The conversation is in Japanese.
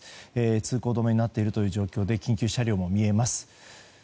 通行止めになっている状況で緊急車両も見えます。